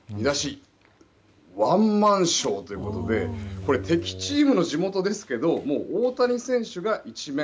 ワンマンショーということで敵チームの地元ですけど大谷選手が１面。